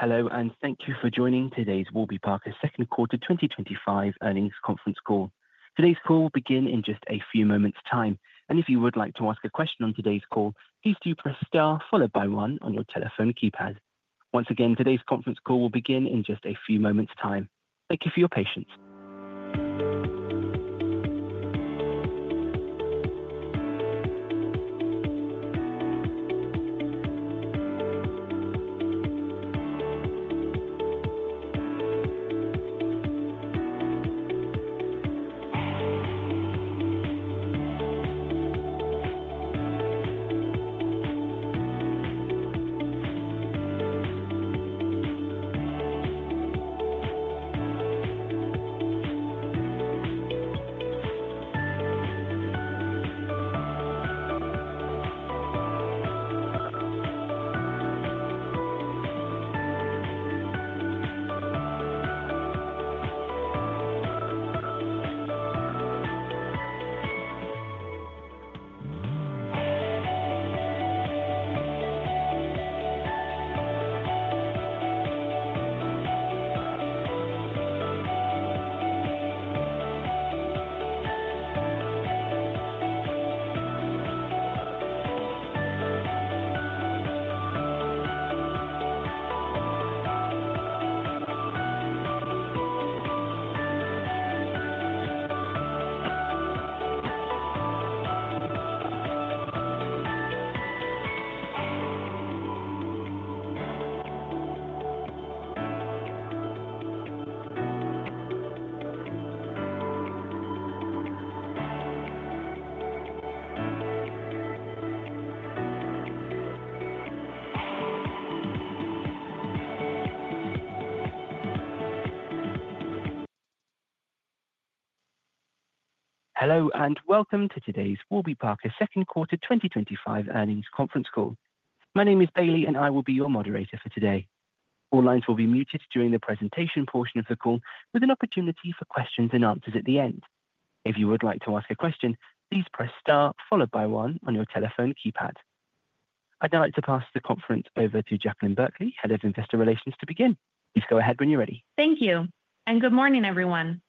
Hello and thank you for joining today's Warby Parker Second Quarter 2025 earnings conference call. Today's call will begin in just a few moments, and if you would like to ask a question on today's call, please do press STAR followed by 1 on your telephone keypad. Once again, today's conference call will begin in just a few moments. Thank you for your patience. Hello and welcome to today's Warby Parker Second Quarter 2025 earnings conference call. My name is Bailey and I will be your moderator for today. All lines will be muted during the presentation portion of the call, with an opportunity for questions and answers at the end. If you would like to ask a question, please press star followed by one on your telephone keypad. I'd like to pass the conference over to Jaclyn Berkley, Head of Investor Relations, to begin. Please go ahead when you're ready. Thank you and good morning everyone.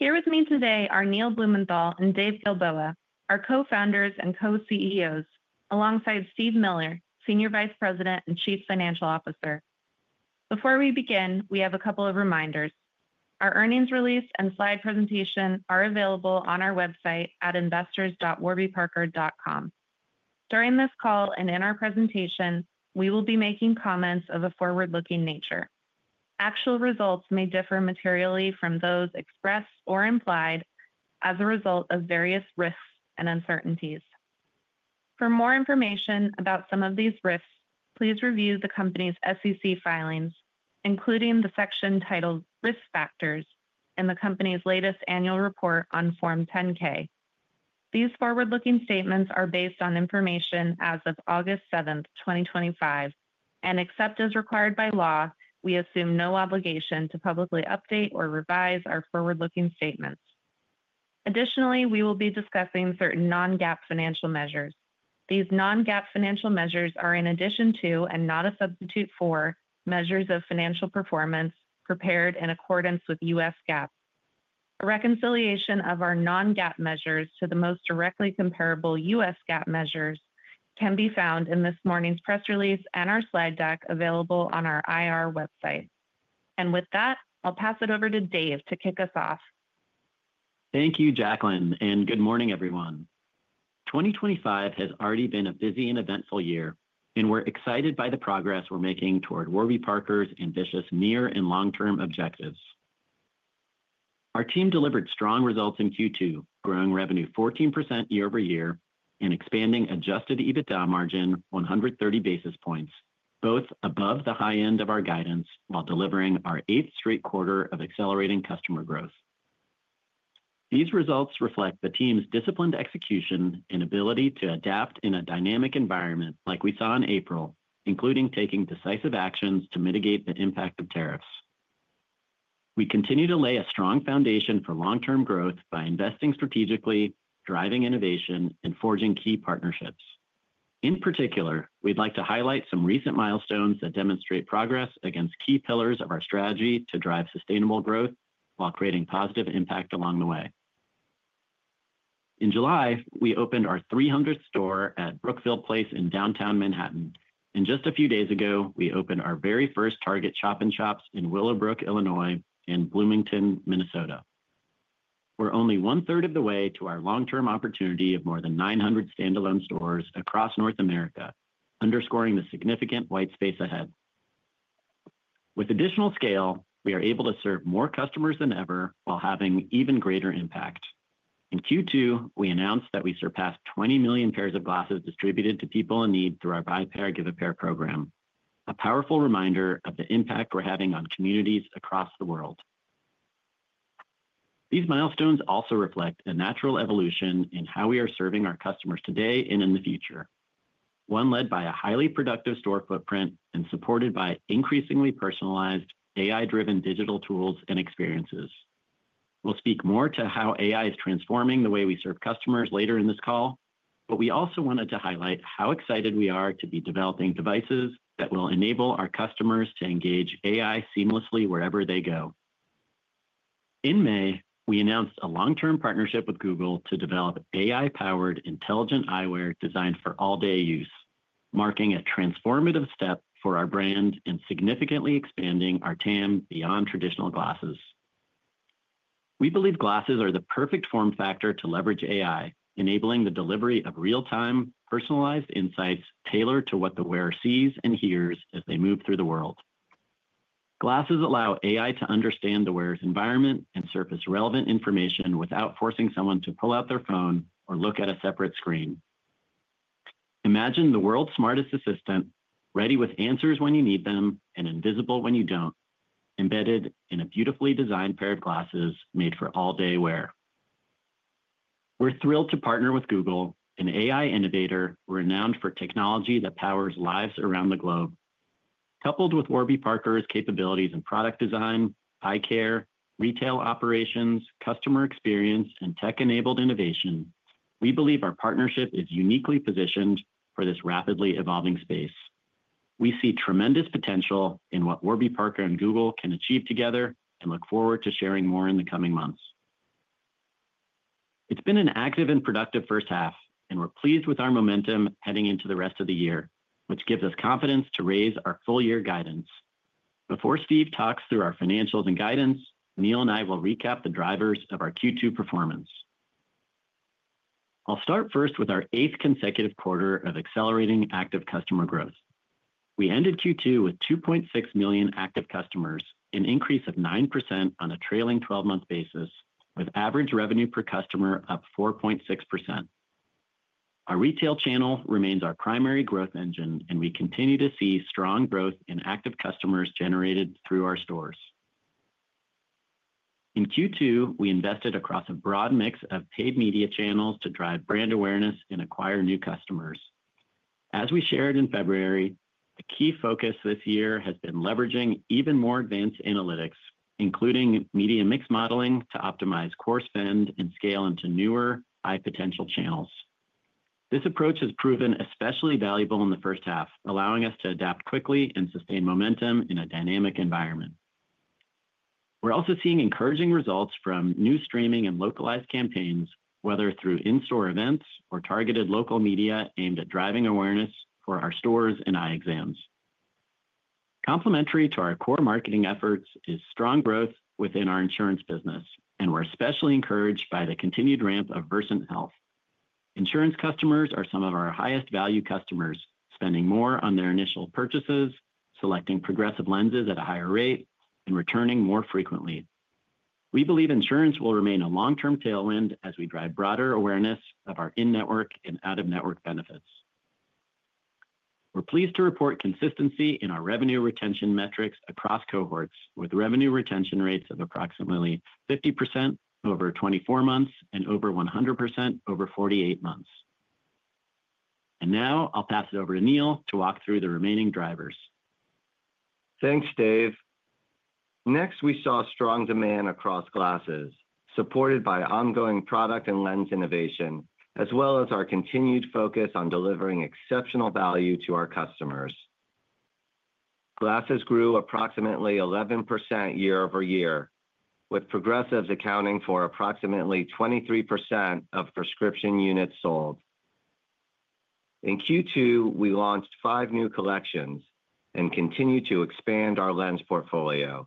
Here with me today are Neil Blumenthal and Dave Gilboa, our Co-Founders and Co-CEOs, alongside Steve Miller, Senior Vice President and Chief Financial Officer. Before we begin, we have a couple of reminders. Our earnings release and slide presentation are available on our website at investors.warbyparker.com. During this call and in our presentation, we will be making comments of a forward-looking nature. Actual results may differ materially from those expressed or implied as a result of various risks and uncertainties. For more information about some of these risks, please review the company's SEC filings, including the section titled Risk Factors in the Company's latest Annual Report on Form 10-K. These forward-looking statements are based on information as of August 7th, 2025, and except as required by law, we assume no obligation to publicly update or revise our forward-looking statements. Additionally, we will be discussing certain non-GAAP financial measures. These non-GAAP financial measures are in addition to and not a substitute for measures of financial performance prepared in accordance with U.S. GAAP. A reconciliation of our non-GAAP measures to the most directly comparable U.S. GAAP measures can be found in this morning's press release and our slide deck available on our IR website. With that, I'll pass it over to Dave to kick us off. Thank you, Jaclyn, and good morning, everyone. 2024 has already been a busy and eventful year, and we're excited by the progress we're making toward Warby Parker's ambitious near and long-term objectives. Our team delivered strong results in Q2, growing revenue 14% year-over-year and expanding adjusted EBITDA margin 130 basis points, both above the high end of our guidance, while delivering our eighth straight quarter of accelerating customer growth. These results reflect the team's disciplined execution and ability to adapt in a dynamic environment like we saw in April, including taking decisive actions to mitigate the impact of tariffs. We continue to lay a strong foundation for long-term growth by investing strategically, driving innovation, and forging key partnerships. In particular, we'd like to highlight some recent milestones that demonstrate progress against key pillars of our strategy to drive sustainable growth while creating positive impact along the way. In July, we opened our 300th store at Brookfield Place in downtown Manhattan, and just a few days ago, we opened our very first Target shop-in-shops in Willowbrook, Illinois, and Bloomington, Minnesota. We're only one third of the way to our long-term opportunity of more than 900 standalone stores across North America, underscoring the significant white space ahead. With additional scale, we are able to serve more customers than ever while having even greater impact. In Q2, we announced that we surpassed 20 million pairs of glasses distributed to people in need through our Buy a Pair, Give a Pair program, a powerful reminder of the impact we're having on communities across the world. These milestones also reflect a natural evolution in how we are serving our customers today and in the future, one led by a highly productive store footprint and supported by increasingly personalized AI-driven digital tools and experiences. We'll speak more to how AI is transforming the way we serve customers later in this call, we also wanted. To highlight how excited we are to be developing devices that will enable our customers to engage AI seamlessly wherever they go. In May, we announced a long-term partnership with Google to develop AI-powered intelligent eyewear designed for all-day use, marking a transformative step for our brand and significantly expanding our total addressable market beyond traditional glasses. We believe glasses are the perfect form factor to leverage AI, enabling the delivery of real-time, personalized insights tailored to what the wearer sees and hears as they move through the world. Glasses allow AI to understand the wearer's environment and surface relevant information without forcing someone to pull out their phone or look at a separate screen. Imagine the world's smartest assistant, ready with answers when you need them and invisible when you don't, embedded in a beautifully designed pair of glasses made for all-day wear. We're thrilled to partner with Google, an AI innovator renowned for technology that powers lives around the globe. Coupled with Warby Parker's capabilities in product design, eye care, retail operations, customer experience, and tech-enabled innovation, we believe our partnership is uniquely positioned for this rapidly evolving space. We see tremendous potential in what Warby Parker and Google can achieve together and look forward to sharing more in the coming months. It's been an active and productive first half and we're pleased with our momentum heading into the rest of the year, which gives us confidence to raise our full-year guidance. Before Steve talks through our financials and guidance, Neil and I will recap the drivers of our Q2 performance. I'll start first with our eighth consecutive quarter of accelerating active customer growth. We ended Q2 with 2.6 million active customers, an increase of 9% on a trailing 12-month basis, with average revenue per customer up 4.6%. Our retail channel remains our primary growth engine and we continue to see strong growth in active customers generated through our stores. In Q2, we invested across a broad mix of paid media channels to drive brand awareness and acquire new customers. As we shared in February, the key focus this year has been leveraging even more advanced analytics, including media mix modeling to optimize core spend and scale into newer, high-potential channels. This approach has proven especially valuable in the first half, allowing us to adapt quickly and sustain momentum in a dynamic environment. We're also seeing encouraging results from new streaming and localized campaigns, whether through in-store events or targeted local media aimed at driving awareness for our stores and eye exams. Complementary to our core marketing efforts is strong growth within our insurance business, and we're especially encouraged by the continued ramp of Versant Health insurance. Customers are some of our highest value customers, spending more on their initial purchases, selecting progressive lenses at a higher rate, and returning more frequently. We believe insurance will remain a long-term tailwind as we drive broader awareness of our in-network and out-of-network benefits. We're pleased to report consistency in our revenue retention metrics across cohorts, with revenue retention rates of approximately 50% over 24 months and over 100% over 48 months. I'll pass it over to Neil to walk through the remaining drivers. Thanks Dave. Next, we saw strong demand across glasses, supported by ongoing product and lens innovation as well as our continued focus on delivering exceptional value to our customers. Glasses grew approximately 11% year-over-year, with progressives accounting for approximately 23% of prescription units sold in Q2. We launched five new collections and continue to expand our lens portfolio.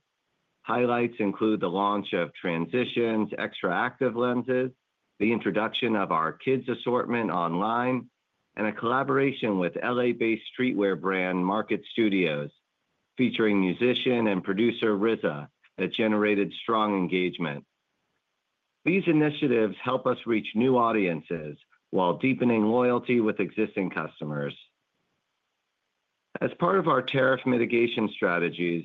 Highlights include the launch of Transitions XTRActive lenses, the introduction of our kids assortment online, and a collaboration with LA-based streetwear brand Market Studios featuring musician and producer RZA that generated strong engagement. These initiatives help us reach new audiences while deepening loyalty with existing customers. As part of our tariff mitigation strategies,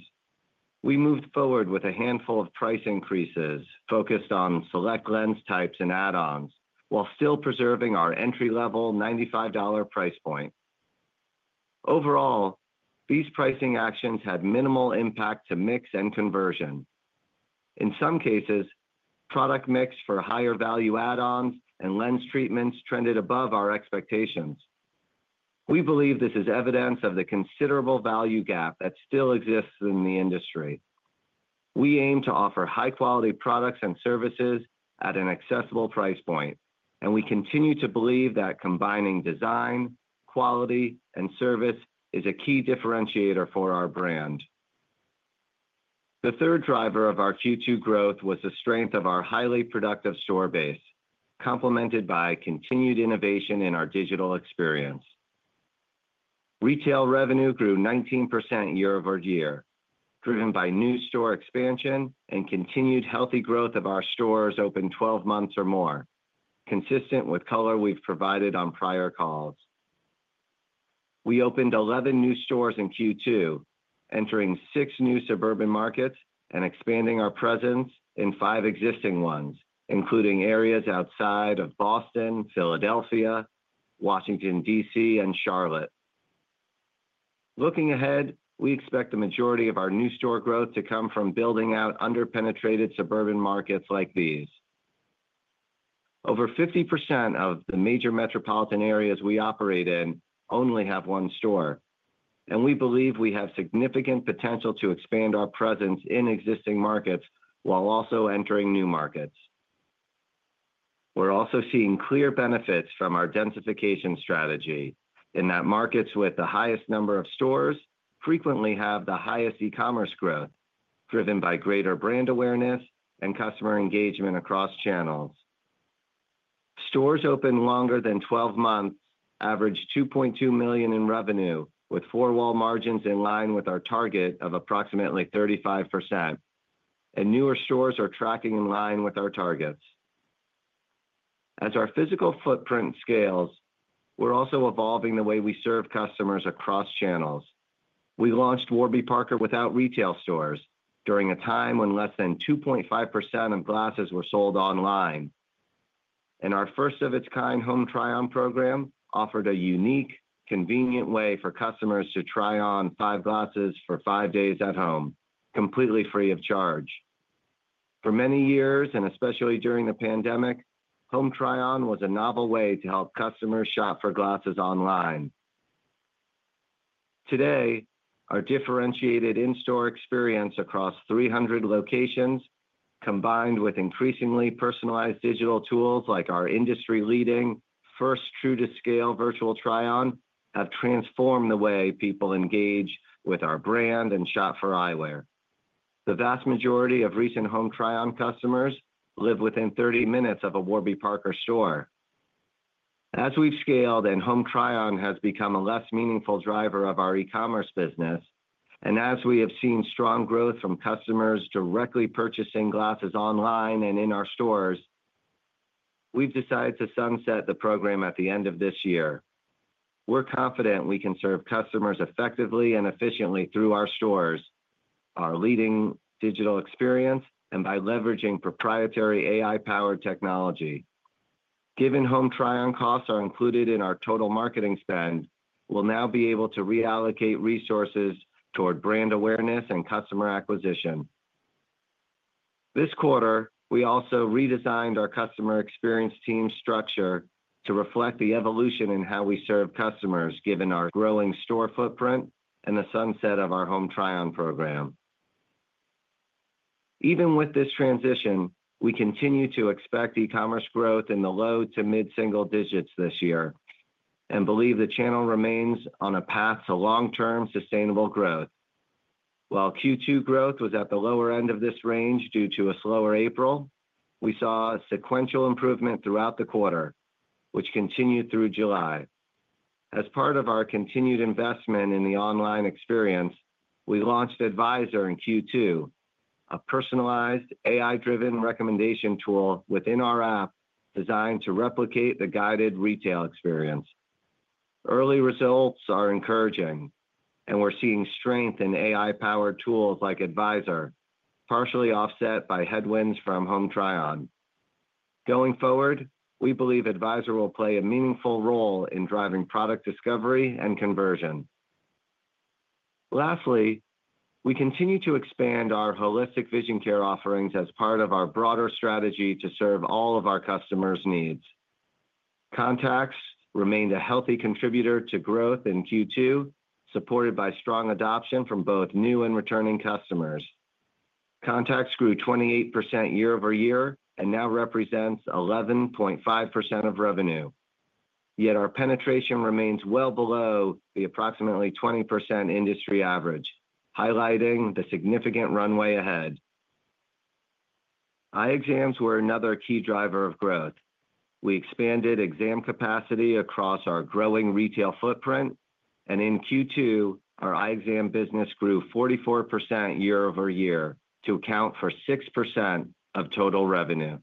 we moved forward with a handful of price increases focused on select lens types and add-ons while still preserving our entry-level $95 price point. Overall, these pricing actions had minimal impact to mix and conversion. In some cases, product mix for higher-value add-ons and lens treatments trended above our expectations. We believe this is evidence of the considerable value gap that still exists in the industry. We aim to offer high-quality products and services at an accessible price point, and we continue to believe that combining design, quality, and service is a key differentiator for our brand. The third driver of our Q2 growth was the strength of our highly productive store base, complemented by continued innovation in our digital experience. Retail revenue grew 19% year-over-year, driven by new store expansion and continued healthy growth of our stores open 12 months or more, consistent with color we've provided on prior calls. We opened 11 new stores in Q2, entering 6 new suburban markets and expanding our presence in 5 existing ones, including areas outside of Boston, Philadelphia, Washington D.C., and Charlotte. Looking ahead, we expect the majority of our new store growth to come from building out underpenetrated suburban markets like these. Over 50% of the major metropolitan areas we operate in only have one store, and we believe we have significant potential to expand our presence in existing markets while also entering new markets. We're also seeing clear benefits from our densification strategy in that markets with the highest number of stores frequently have the highest e-commerce growth, driven by greater brand awareness and customer engagement across channels. Stores open longer than 12 months average $2.2 million in revenue with four-wall margins in line with our target of approximately 35%, and newer stores are tracking in line with our targets. As our physical footprint scales, we're also evolving the way we serve customers across channels. We launched Warby Parker without retail stores during a time when less than 2.5% of glasses were sold online, and our first-of-its-kind Home Try-On program offered a unique, convenient way for customers to try on 5 glasses for 5 days at home completely free of charge. For many years and especially during the pandemic, Home Try-On was a novel way to help customers shop for glasses online. Today, our differentiated in-store experience across 300 locations, combined with increasingly personalized digital tools like our industry-leading first true-to-scale virtual Try-On, have transformed the way people engage with our brand and shop for eyewear. The vast majority of recent Home Try-On customers live within 30 minutes of a Warby Parker store. As we've scaled and Home Try-On has become a less meaningful driver of our e-commerce business, and as we have seen strong growth from customers directly purchasing glasses online and in our stores, we've decided to sunset the program at the end of this year. We're confident we can serve customers effectively and efficiently through our stores, our leading digital experience, and by leveraging proprietary AI-powered technology. Given Home Try-On costs are included in our total marketing spend, we'll now be able to reallocate resources toward brand awareness and customer acquisition. This quarter, we also redesigned our customer experience team structure to reflect the evolution in how we serve customers given our growing store footprint and the sunset of our Home Try-On program. Even with this transition, we continue to expect e-commerce growth in the low to mid-single digits this year and believe the channel remains on a path to long-term sustainable growth. While Q2 growth was at the lower end of this range due to a slower April, we saw a sequential improvement throughout the quarter, which continued through July. As part of our continued investment in the online experience, we launched Advisor in Q2, a personalized AI-driven recommendation tool within our app designed to replicate the guided retail experience. Early results are encouraging, and we're seeing strength in AI-powered tools like Advisor, partially offset by headwinds from Home Try-On. Going forward, we believe Advisor will play a meaningful role in driving product discovery and conversion. Lastly, we continue to expand our holistic vision care offerings as part of our broader strategy to serve all of our customers' needs. Contacts remained a healthy contributor to growth in Q2, supported by strong adoption from both new and returning customers. Contacts grew 28% year-over-year and now represent 11.5% of revenue. Yet our penetration remains well below the approximately 20% industry average, highlighting the significant runway ahead. Eye exams were another key driver of growth. We expanded exam capacity across our growing retail footprint, and in Q2 our eye exam business grew 44% year-over-year to account for 6% of total revenue.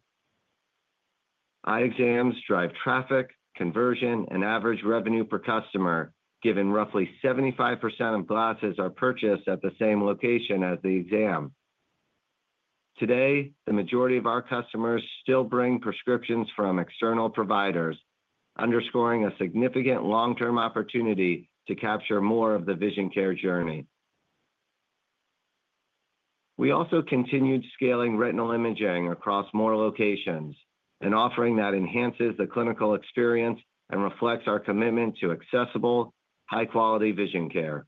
Eye exams drive traffic, conversion, and average revenue per customer, given roughly 75% of glasses are purchased at the same location as the exam. Today, the majority of our customers still bring prescriptions from external providers, underscoring a significant long-term opportunity to capture more of the vision care journey. We also continued scaling retinal imaging across more locations, an offering that enhances the clinical experience and reflects our commitment to accessible, high-quality vision care.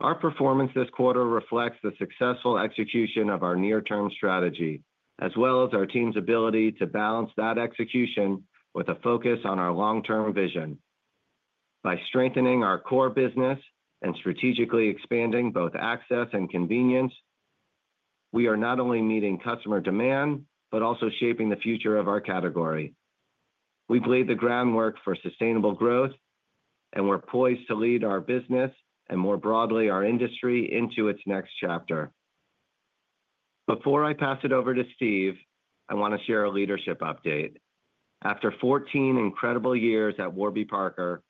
Our performance this quarter reflects the successful execution of our near-term strategy as well as our team's ability to balance that execution with a focus on our long-term vision. By strengthening our core business and strategically expanding both access and convenience, we are not only meeting customer demand, but also shaping the future of our category. We've laid the groundwork for sustainable growth, and we're poised to lead our business, and more broadly our industry, into its next chapter. Before I pass it over to Steve, I want to share a leadership update. After 14 incredible years at Warby Parker,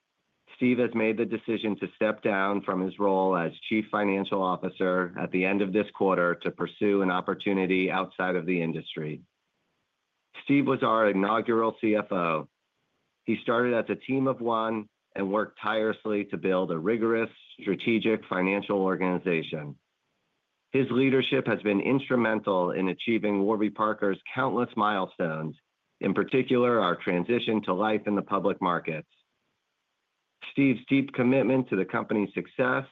Steve has made the decision to step down from his role as Chief Financial Officer at the end of this quarter to pursue an opportunity outside of the industry. Steve was our inaugural CFO. He started as a team of one and worked tirelessly to build a rigorous, strategic financial organization. His leadership has been instrumental in achieving Warby Parker's countless milestones, in particular our transition to life in the public markets. Steve's deep commitment to the company's success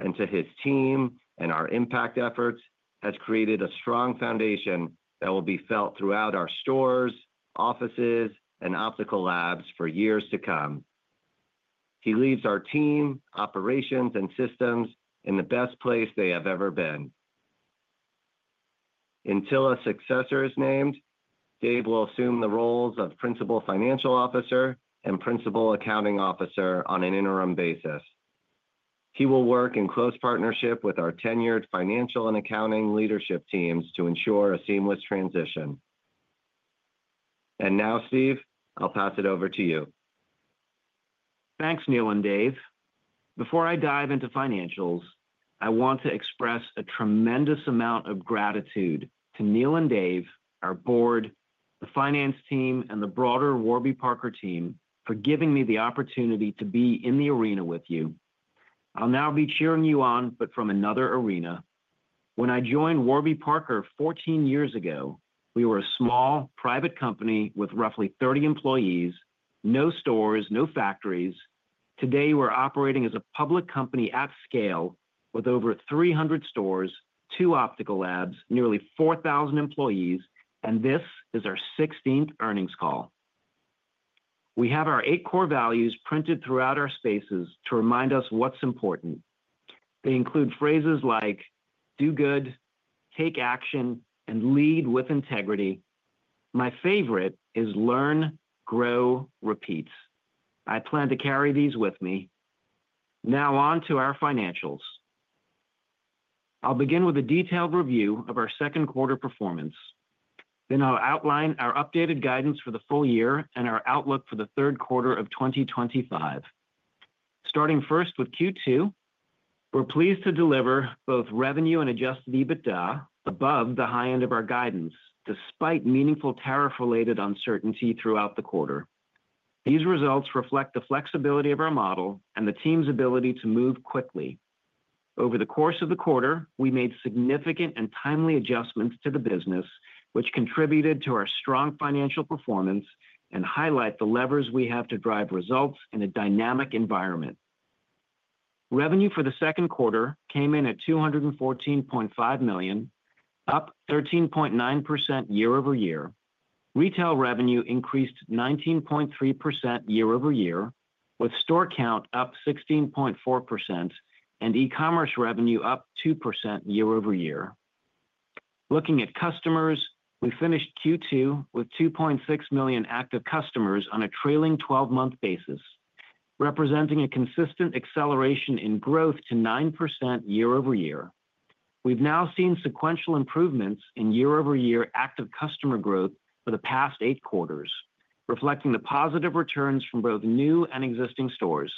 and to his team and our impact efforts has created a strong foundation that will be felt throughout our stores, offices, and optical labs for years to come. He leaves our team, operations, and systems in the best place they have ever been. Until a successor is named, Dave will assume the roles of Principal Financial Officer and Principal Accounting Officer. On an interim basis, he will work in close partnership with our tenured financial and accounting leadership teams to ensure a seamless transition. Steve, I'll pass it over to you. Thanks, Neil and Dave. Before I dive into financials, I want to express a tremendous amount of gratitude to Neil and Dave, our board, the finance team, and the broader Warby Parker team for giving me the opportunity to be in the arena with you. I'll now be cheering you on, but from another arena. When I joined Warby Parker 14 years ago, we were a small private company with roughly 30 employees. No stores, no factories. Today we're operating as a public company at scale with over 300 stores, two optical labs, nearly 4,000 employees, and this is our 16th earnings call. We have our eight core values printed throughout our spaces to remind us what's important. They include phrases like do good, take action, and lead with integrity. My favorite is learn, grow, repeat. I plan to carry these with me. Now on to our financials. I'll begin with a detailed review of our second quarter performance. Then I'll outline our updated guidance for the full year and our outlook for the third quarter of 2025. Starting first with Q2, we're pleased to deliver both revenue and adjusted EBITDA above the high end of our guidance, despite meaningful tariff-related uncertainty throughout the quarter. These results reflect the flexibility of our model and the team's ability to move quickly. Over the course of the quarter, we made significant and timely adjustments to the business, which contributed to our strong financial performance and highlight the levers we have to drive results in a dynamic environment. Revenue for the second quarter came in at $214.5 million, up 13.9% year-over-year. Retail revenue increased 19.3% year-over-year with store count up 16.4% and e-commerce revenue up 2% year-over-year. Looking at customers, we finished Q2 with 2.6 million active customers on a trailing 12-month basis, representing a consistent acceleration in growth to 9% year-over-year. We've now seen sequential improvements in year-over-year active customer growth for the past eight quarters, reflecting the positive returns from both new and existing stores,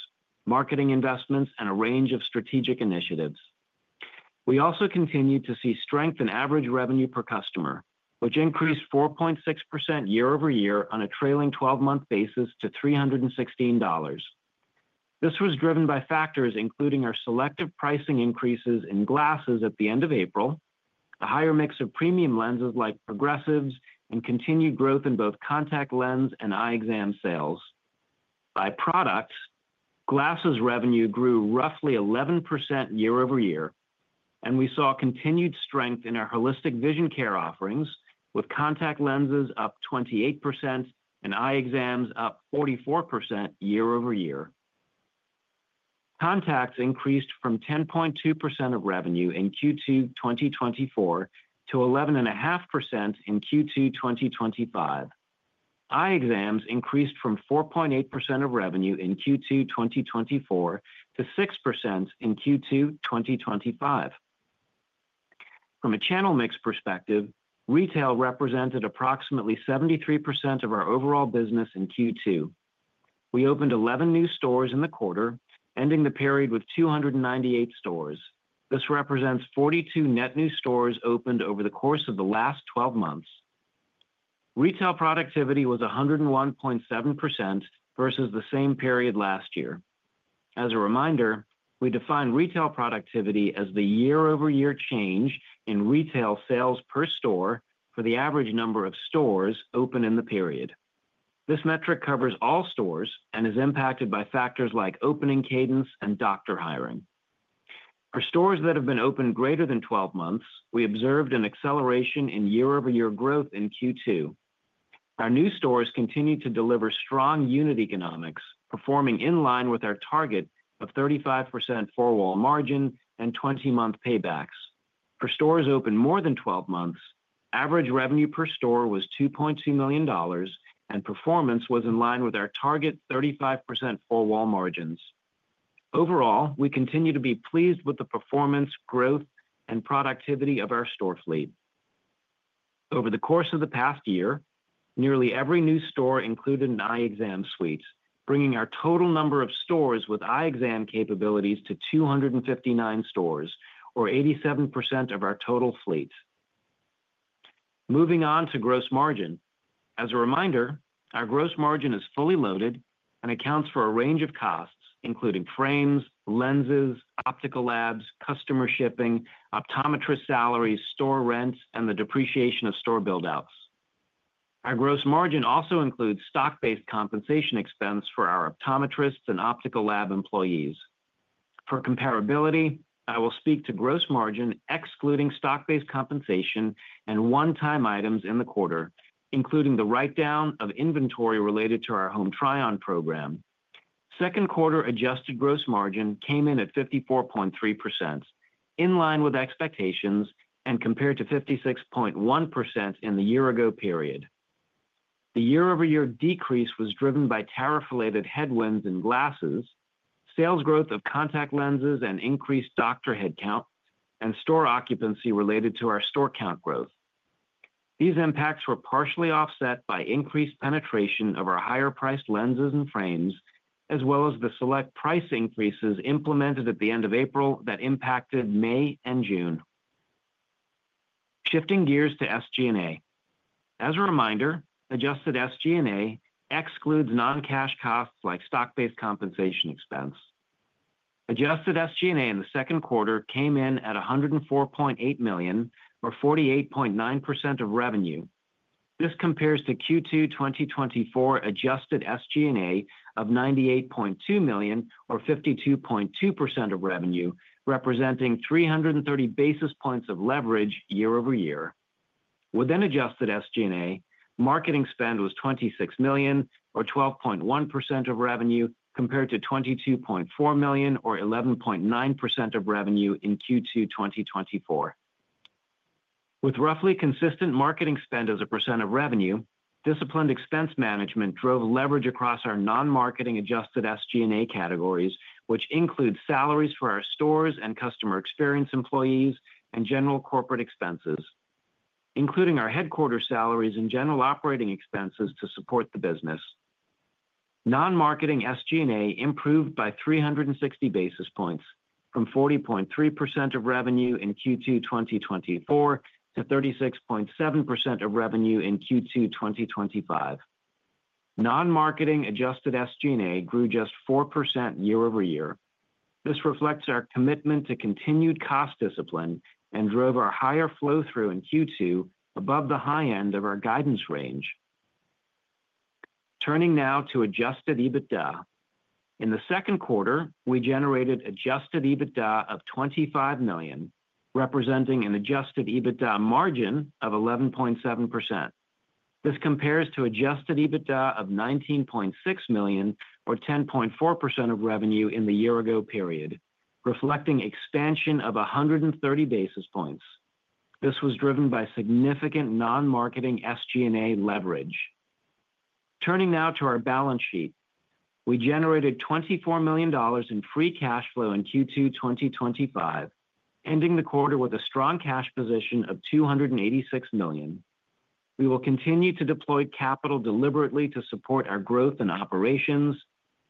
marketing investments, and a range of strategic initiatives. We also continue to see strength in average revenue per customer, which increased 4.6% year-over-year on a trailing 12-month basis to $316. This was driven by factors including our selective pricing, increases in glasses at the end of April, the higher mix of premium lenses like progressives, and continued growth in both contact lenses and eye exam sales. By products, glasses. Revenue grew roughly 11% year-over-year and we saw continued strength in our holistic vision care offerings with contact lenses up 28% and eye exams up 44% year-over-year. Contacts increased from 10.2% of revenue in Q2 2024 to 11.5% in Q2 2025. Eye exams increased from 4.8% of revenue in Q2 2024 to 6% in Q2 2025. From a channel mix perspective, retail represented approximately 73% of our overall business in Q2. We opened 11 new stores in the quarter, ending the period with 298 stores. This represents 42 net new stores opened over the course of the last 12 months. Retail productivity was 101.7% versus the same period last year. As a reminder, we define retail productivity as the year-over-year change in retail sales per store for the average number of stores open in the period. This metric covers all stores and is impacted by factors like opening cadence and doctor hiring. For stores that have been open greater than 12 months, we observed an acceleration in year-over-year growth in Q2. Our new stores continued to deliver strong unit economics, performing in line with our target of 35% four-wall margin and 20-month paybacks for stores open more than 12 months. Average revenue per store was $2.2 million and performance was in line with our target 35% four-wall margins. Overall, we continue to be pleased with the performance, growth, and productivity of our store fleet over the course of the past year. Nearly every new store included eye exam suites, bringing our total number of stores with eye exam capabilities to 259 stores or 87% of our total fleet. Moving on to gross margin, as a reminder, our gross margin is fully loaded and accounts for a range of costs including frames, lenses, optical labs, customer shipping, optometrist salaries, store rent, and the depreciation of store build-outs. Our gross margin also includes stock-based compensation expense for our optometrists and optical lab employees. For comparability, I will speak to gross margin excluding stock-based compensation and one-time items in the quarter, including the write down of inventory related to our Home Try-On program. Second quarter adjusted gross margin came in at 54.3% in line with expectations and compared to 56.1% in the year ago period. The year-over-year decrease was driven by tariff related headwinds in glasses sales, growth of contact lenses, and increased doctor headcount and store occupancy related to our store count growth. These impacts were partially offset by increased penetration of our higher-priced lenses and frames, as well as the select price increases implemented at the end of April that impacted May and June. Shifting gears to SG&A, as a reminder, adjusted SG&A excludes non-cash costs like stock-based compensation expense. Adjusted SG&A in the second quarter came in at $104.8 million or 48.9% of revenue. This compares to Q2 2024 adjusted SG&A of $98.2 million or 52.2% of revenue, representing 330 basis points of leverage year-over-year. Within adjusted SG&A, marketing spend was $26 million or 12.1% of revenue compared to $22.4 million or 11.9% of revenue in Q2 2024, with roughly consistent marketing spend as a percent of revenue. Disciplined expense management drove leverage across our non-marketing adjusted SG&A categories, which include salaries for our stores and customer experience employees and general corporate expenses, including our headquarters salaries and general operating expenses to support the business. Non-marketing SG&A improved by 360 basis points from 40.3% of revenue in Q2 2024 to 36.7% of revenue in Q2 2025. Non-marketing adjusted SG&A grew just 4% year-over-year. This reflects our commitment to continued cost discipline and drove our higher flow through in Q2 above the high end of our guidance range. Turning now to adjusted EBITDA, in the second quarter we generated adjusted EBITDA of $25 million, representing an adjusted EBITDA margin of 11.7%. This compares to adjusted EBITDA of $19.6 million or 10.4% of revenue in the year ago period, reflecting expansion of 130 basis points. This was driven by significant non-marketing SG&A leverage. Turning now to our balance sheet, we generated $24 million in free cash flow in Q2 2025, ending the quarter with a strong cash position of $286 million. We will continue to deploy capital deliberately to support our growth in operations.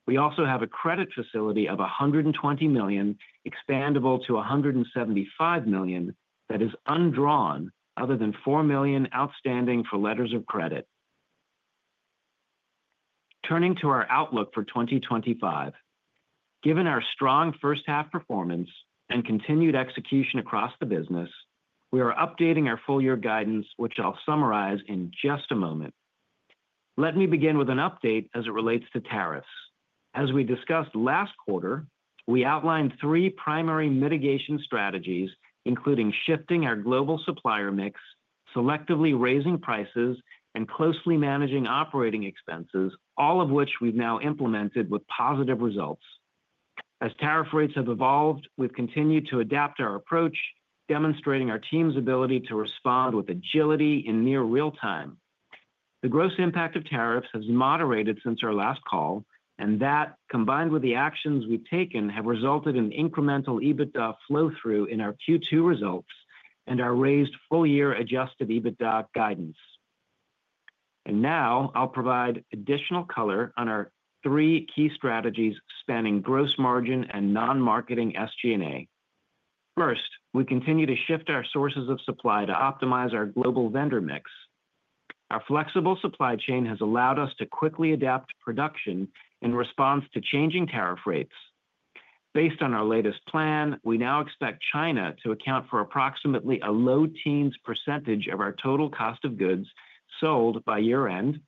We also have a credit facility of $120 million, expandable to $175 million, that is undrawn other than $4 million outstanding for letters of credit. Turning to our outlook for 2025, given our strong first half performance and continued execution across the business, we are updating our full year guidance which I'll summarize in just a moment. Let me begin with an update as it relates to tariffs. As we discussed last quarter, we outlined three primary mitigation strategies including shifting our global supplier mix, selectively raising prices, and closely managing operating expenses, all of which we've now implemented with positive results. As tariff rates have evolved, we've continued to adapt our approach, demonstrating our team's ability to respond with agility in near real time. The gross impact of tariffs has moderated since our last call and that, combined with the actions we've taken, have resulted in incremental EBITDA flow through in our Q2 results and our raised full-year adjusted EBITDA guidance. Now I'll provide additional color on our three key strategies spanning gross margin and non-marketing SG&A. First, we continue to shift our sources of supply to optimize our global vendor mix. Our flexible supply chain has allowed us to quickly adapt production in response to changing tariff rates. Based on our latest plan, we now expect China to account for approximately a low teens percentage of our total cost of goods sold by year end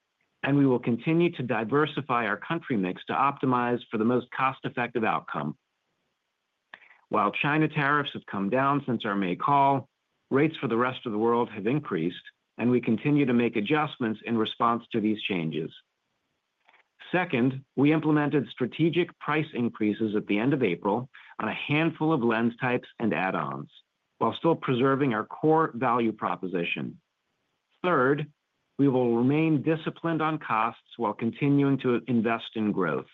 and we will continue to diversify our country mix to optimize for the most cost effective outcome. While China tariffs have come down since our May call, rates for the rest of the world have increased, and we continue to make adjustments in response to these changes. Second, we implemented strategic price increases at the end of April on a handful of lens types and add-ons while still preserving our core value proposition. Third, we will remain disciplined on costs while continuing to invest in growth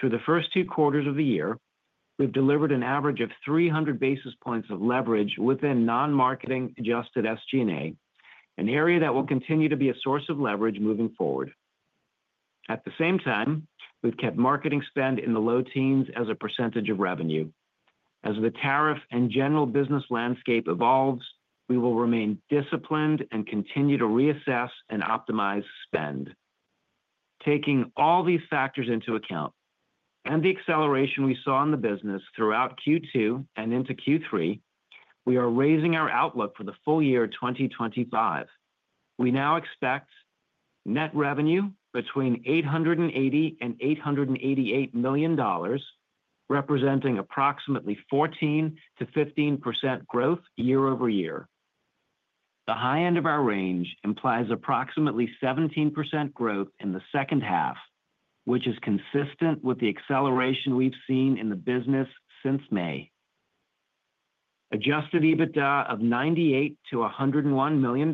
through the first two quarters of the year. We've delivered an average of 300 basis points of leverage within non-marketing adjusted SG&A, an area that will continue to be a source of leverage moving forward. At the same time, we've kept marketing spend in the low teens as a percentage of revenue. As the tariff and general business landscape evolves, we will remain disciplined and continue to reassess and optimize spend. Taking all these factors into account and the acceleration we saw in the business throughout Q2 and into Q3, we are raising our outlook for the full year 2025. We now expect net revenue between $880 and $888 million, representing approximately 14%-15% growth year-over-year. The high end of our range implies approximately 17% growth in the second half, which is consistent with the acceleration we've seen in the business since May. Adjusted EBITDA of $98 million-$101 million,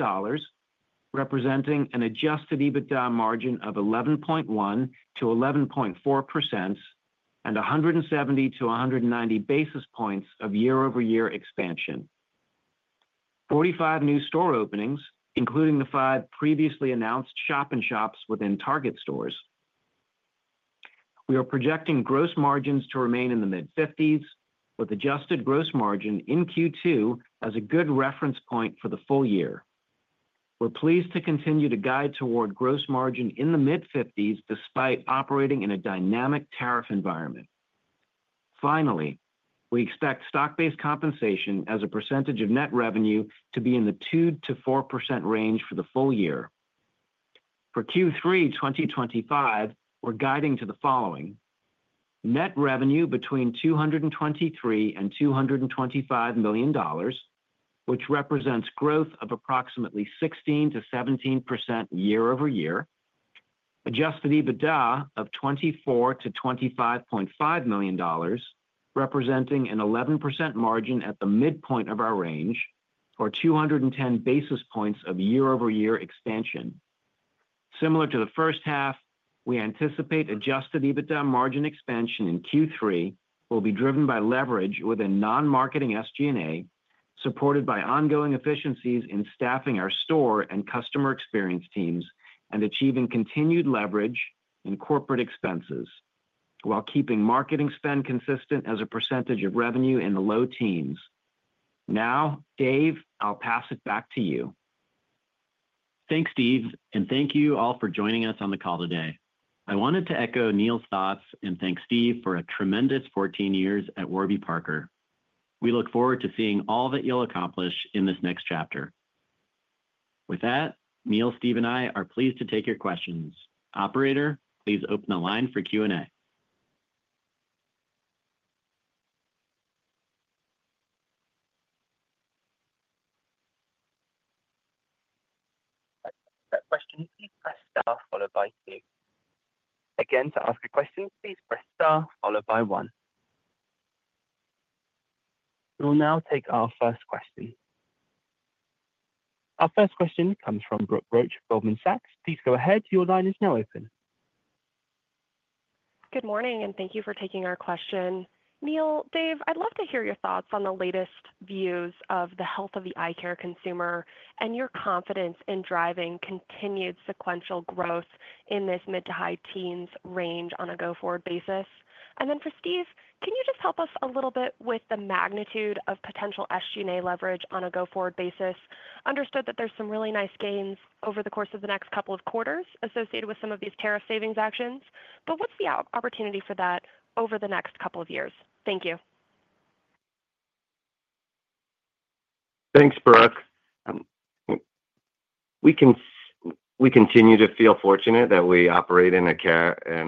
representing an adjusted EBITDA margin of 11.1%-11.4% and 170-190 basis points of year-over-year expansion. 45 new store openings, including the five previously announced shop-in-shops within Target stores. We are projecting gross margins to remain in the mid-50s with adjusted gross margin in Q2 as a good reference point for the full year. We're pleased to continue to guide toward gross margin in the mid-50s despite operating in a dynamic tariff environment. Finally, we expect stock-based compensation as a percentage of net revenue to be in the 2%-4% range for the full year. For Q3 2025, we're guiding to net revenue between $223 million-$225 million, which represents growth of approximately 16%-17% year-over-year. Adjusted EBITDA of $24 million-$25.5 million, representing an 11% margin at the midpoint of our range or 210 basis points of year-over-year expansion. Similar to the first half. We anticipate adjusted EBITDA margin expansion in Q3 will be driven by leverage within non-marketing SG&A, supported by ongoing efficiencies in staffing our store and customer experience teams and achieving continued leverage in corporate expenses while keeping marketing spend consistent as a percentage of revenue in the low teens. Now, Dave, I'll pass it back to you. Thanks Steve, and thank you all for joining us on the call today. I wanted to echo Neil's thoughts and thank Steve for a tremendous 14 years at Warby Parker. We look forward to seeing all that you'll accomplish in this next chapter. With that, Neil, Steve, and I are pleased to take your questions. Operator, please open the line for Q&A. To ask a question, please press star followed by one. We will now take our first question. Our first question comes from Brooke Roach, Goldman Sachs. Please go ahead. Your line is now open. Good morning and thank you for taking our question. Neil, Dave, I'd love to hear your thoughts on the latest views of the health of the eye care consumer and your confidence in driving continued sequential growth in this mid to high teens range on a go-forward basis. For Steve, can you just help us a little bit with the magnitude of potential SG&A leverage on a go-forward basis? Understood that there's some really nice gains over the course of the next couple of quarters associated with some of these tariff savings actions, but what's the outcome opportunity for that over the next couple of years? Thank you. Thanks Brooke. We continue to feel fortunate that we operate in a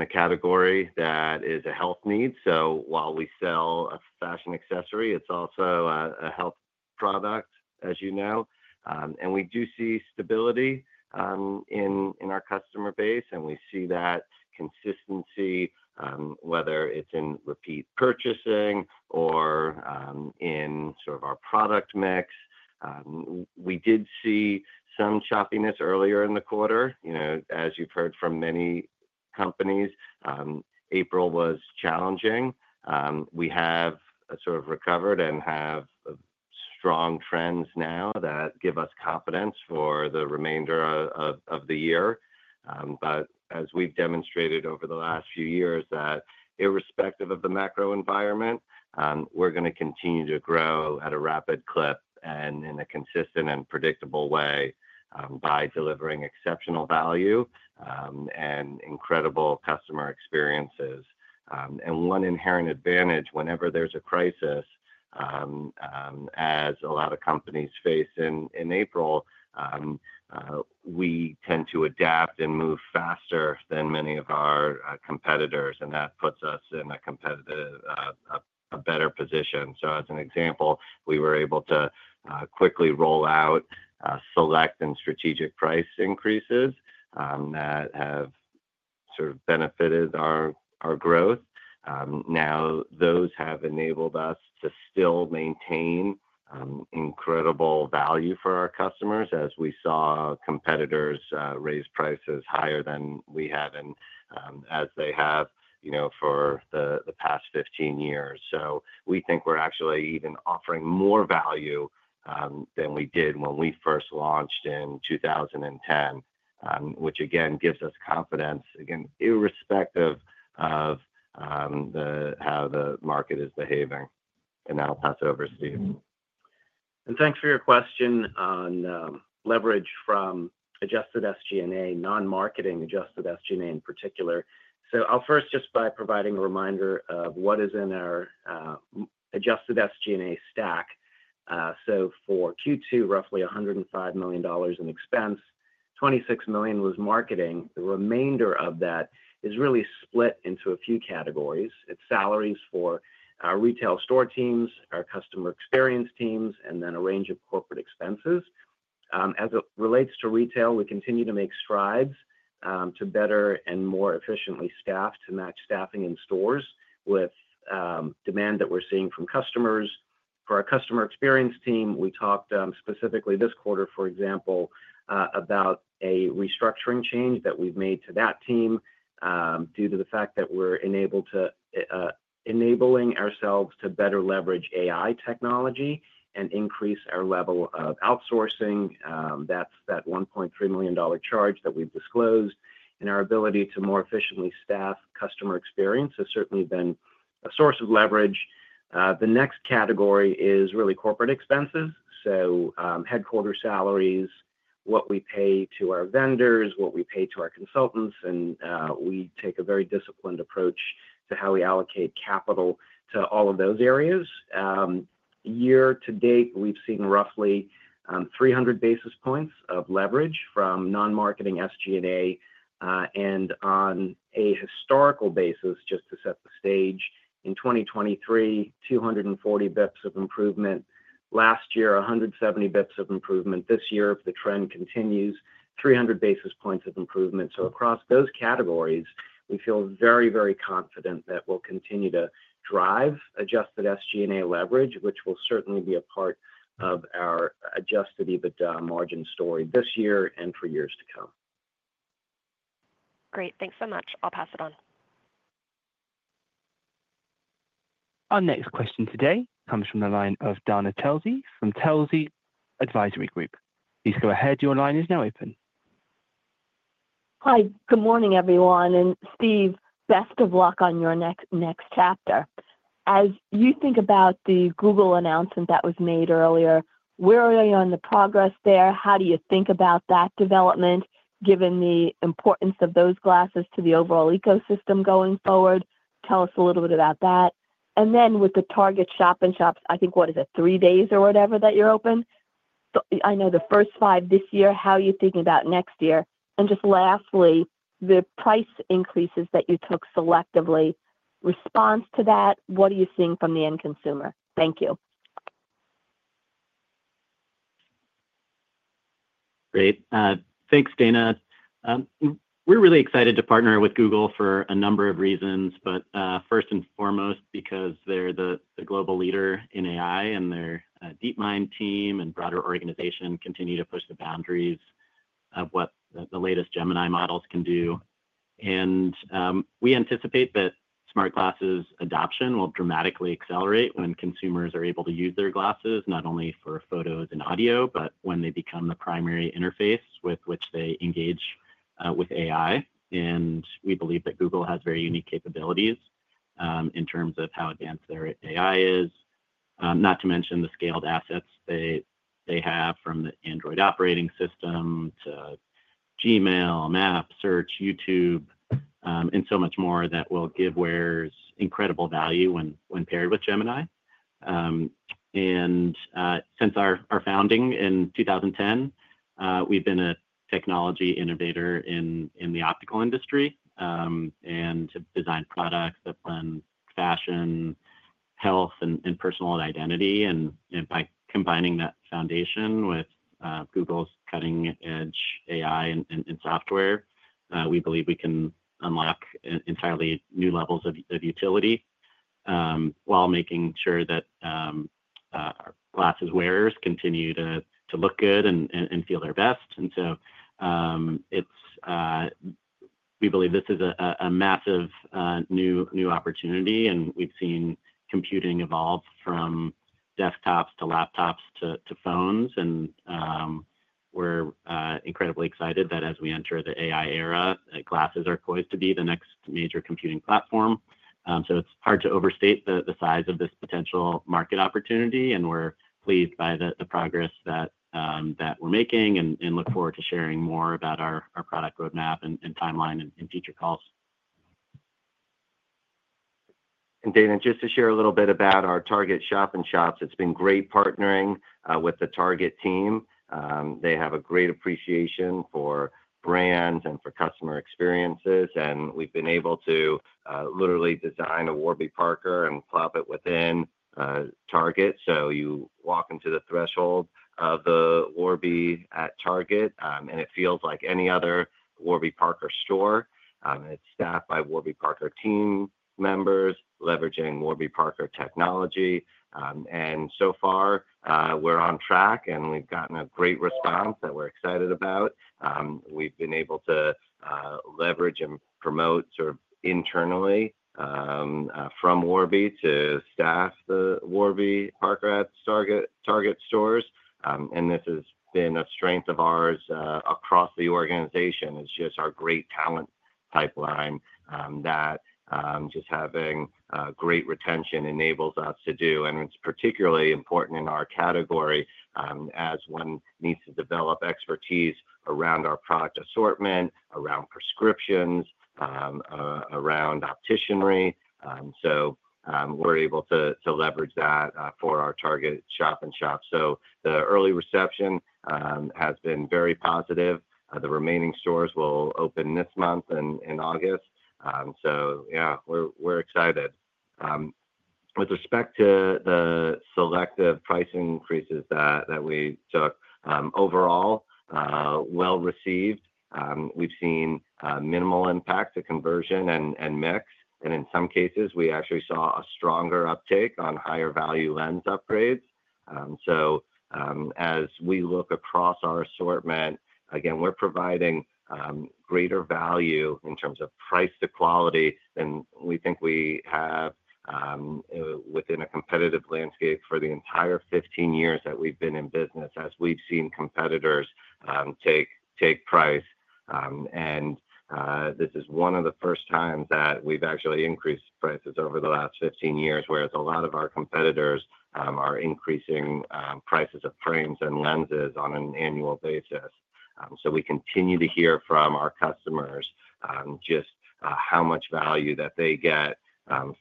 category that is a health need. While we sell a fashion accessory, it's also a health product, as you know. We do see stability in our customer base, and we see that consistency whether it's in repeat purchasing or in our product mix. We did see some choppiness earlier in the quarter. As you've heard from many companies, April was challenging. We have sort of recovered and have strong trends now that give us confidence for the remainder of the year. As we've demonstrated over the last few years, irrespective of the macro environment, we're going to continue to grow at a rapid clip and in a consistent and predictable way by delivering exceptional value and incredible customer experiences. One inherent advantage whenever there's a crisis, as a lot of companies face in April. We tend to adapt and move faster than many of our competitors, and that puts us in a better position. For example, we were able to quickly roll out select and strategic price increases that have benefited our growth. Those have enabled us to still maintain incredible value for our customers as we saw competitors raise prices higher than we have, as they have for the past 15 years. We think we're actually even offering more value than we did when we first launched in 2010, which gives us confidence irrespective of how the market is behaving. I'll pass it over to Steve. Thank you for your question on leverage from adjusted SG&A, non-marketing adjusted SG&A in particular. I'll first start by providing a reminder of what is in our adjusted SG&A stack. For Q2, roughly $105 million in expense, $26 million was marketing. The remainder of that is really split into a few categories. It's salaries for our retail store teams, our customer experience teams, and then a range of corporate expenses as it relates to retail. We continue to make strides to better and more efficiently staff to match staffing in stores with demand that we're seeing from customers. For our customer experience team, we talked specifically this quarter, for example, about a restructuring change that we've made to that team due to the fact that we're enabling ourselves to better leverage AI technology and increase our level of outsourcing. That's that $1.3 million charge that we've disclosed. Our ability to more efficiently staff customer experience has certainly been a source of leverage. The next category is really corporate expenses: headquarter salaries, what we pay to our vendors, what we pay to our consultants, and we take a very disciplined approach to how we allocate capital to all of those areas. Year-to-date, we've seen roughly 300 basis points of leverage from non-marketing SG&A, and on a historical basis, just to set the stage, in 2023, 240 basis points of improvement last year, 170 basis points of improvement this year. If the trend continues, 300 basis points of improvement. Across those categories, we feel very, very confident that we'll continue to drive adjusted SG&A leverage, which will certainly be a part of our adjusted EBITDA margin story this year and for years to come. Great, thanks so much. I'll pass it. Our next question today comes from the line of Dana Telsey from Telsey Advisory Group. Please go ahead. Your line is now open. Hi, good morning everyone. Steve, best of luck on your next chapter. As you think about the Google announcement that was made earlier, where are you on the progress there? How do you think about that development given the importance of those glasses to the overall ecosystem going forward? Tell us a little bit about that. With the Target shop-in-shops, I think, what is it, three days or whatever that you're open? I know the first five this year. How are you thinking about next year? Lastly, the price increases that you took selectively, in response to that, what are you seeing from the end consumer? Thank you. Great. Thanks, Dana. We're really excited to partner with Google for a number of reasons, but first and foremost because they're the global leader in AI, and their DeepMind team and broader organization continue to push the boundaries of what the latest Gemini models can do. We anticipate that smart glasses adoption will dramatically accelerate when consumers are able to use their glasses not only for photos and audio, but when they become the primary interface with which they engage with AI. We believe that Google has very unique capabilities in terms of how advanced their AI is, not to mention the scaled assets they have from the Android operating system to Gmail, Maps, Search, YouTube, and so much more that will give wearers incredible value when paired with Gemini. Since our founding in 2010, we've been a technology innovator in the optical industry and designed products that blend fashion, health, and personal identity. By combining that foundation with Google's cutting-edge AI and software, we believe we can unlock entirely new levels of utility while making sure that glasses wearers continue to look good and feel their best. We believe this is a massive new opportunity, and we've seen computing evolve from desktops to laptops to phones. We're incredibly excited that as we enter the AI era, glasses are poised to be the next major computing platform. It's hard to overstate the size of this potential market opportunity. We're pleased by the progress that we're making and look forward to sharing more about our product roadmap and timeline in future calls. Dana, just to share a little bit about our Target shop-in-shops. It's been great partnering with the Target team. They have a great appreciation for brands and for customer experiences, and we've been able to literally design a Warby Parker and plop it within Target. You walk into the threshold of the Warby at Target, and it feels like any other Warby Parker store. It's staffed by Warby Parker team members leveraging Warby Parker technology. We're on track, and we've gotten a great response that we're excited about. We've been able to leverage and promote internally from Warby to staff the Warby Parker at Target stores. This has been a strength of ours across the organization. It's just our great talent pipeline that just having great retention enables us to do. It's particularly important in our category as one needs to develop expertise around our product assortment, around prescriptions, around opticianry. We're able to leverage that for our Target shop-in-shops. The early reception has been very positive. The remaining stores will open this month in August. We're excited with respect to the selective pricing increases that we took. Overall, well received. We've seen minimal impact to conversion and mix, and in some cases we actually saw a stronger uptake on higher-value lens upgrades. As we look across our assortment again, we're providing greater value in terms of price to quality than we think we have within a competitive landscape for the entire 15 years that we've been in business as we've seen competitors take price. This is one of the first times that we've actually increased prices over the last 15 years, whereas a lot of our competitors are increasing prices of frames and lenses on an annual basis. We continue to hear from our customers just how much value that they get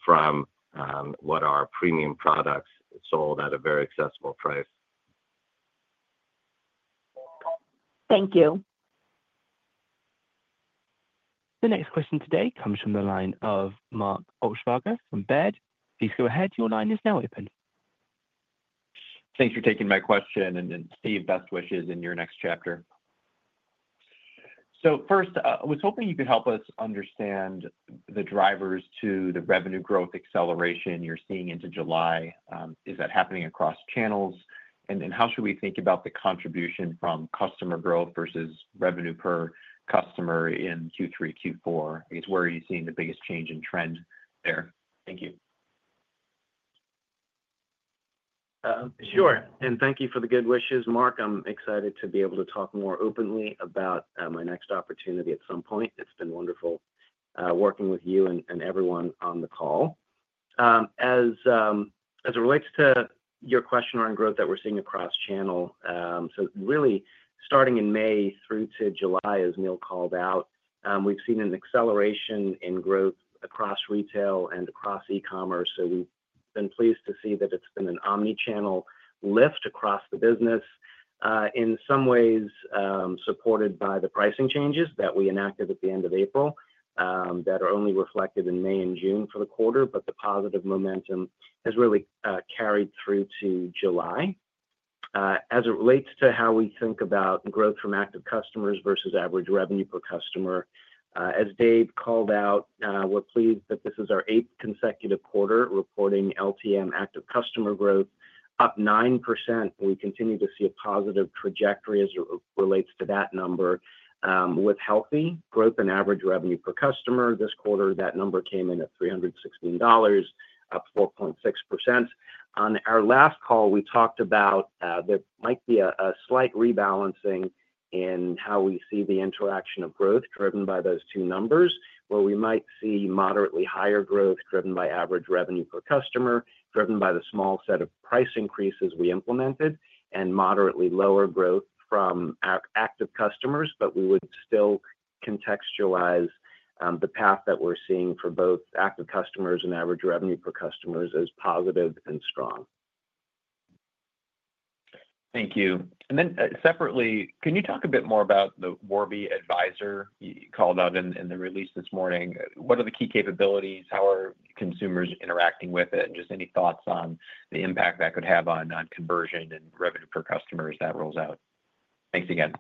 from what our premium products sold at a very accessible price. Thank you. The next question today comes from the line of Mark Altschwager from Baird. Please go ahead. Your line is now open. Thanks for taking my question. Steve, best wishes in your next chapter. First I was hoping you could. Help us understand the drivers to the revenue growth acceleration you're seeing into July. Is that happening across channels? How should we think about the contribution from customer growth vs revenue per customer in Q3/Q4 is where are you seeing the biggest change in trend there? Thank you. Sure. Thank you for the good wishes, Mark. I'm excited to be able to talk more openly about my next opportunity at some point. It's been wonderful working with you and everyone on the call. As it relates. To your question on growth that we're seeing across channel, really starting in May through to July, as Neil called out, we've seen an acceleration in growth across retail and across e-commerce. We've been pleased to see that it's been an omni-channel lift across the business, in some ways supported by the pricing changes that we enacted at the end of April that are only reflected in May and June for the quarter. The positive momentum has really carried through to July as it relates to how we think about growth from active customers versus average revenue per customer. As Dave called out, we're pleased that this is our eighth consecutive quarter reporting LTM active customer growth up 9%. We continue to see a positive trajectory as relates to that number, with healthy growth in average revenue per customer. This quarter, that number came in at $316, up 4.6%. On our last call, we talked about there might be a slight rebalancing in how we see the interaction of growth driven by those two numbers, where we might see moderately higher growth driven by average revenue per customer, driven by the small set of programs, price increases we implemented, and moderately lower growth from active customers. We would still contextualize the path that we're seeing for both active customers and average revenue per customer as positive and strong. Thank you. Separately, can you talk a bit more about the Warby Advisor you called out in the release this morning? What are the key capabilities? How are consumers interacting with it? Any thoughts on the impact that could have on conversion and revenue per. Thanks again.